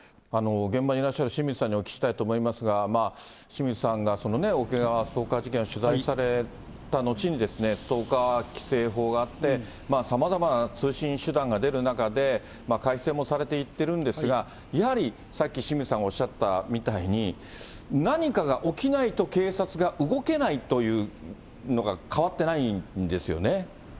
現場にいらっしゃる清水さんにお聞きしたいと思いますが、清水さんが桶川ストーカー事件を取材された後に、ストーカー規制法があって、さまざまな通信手段が出る中で、改正もされていってるんですが、やはりさっき清水さんがおっしゃったみたいに、何かが起きないと警察が動けないというのが変わってないんですよ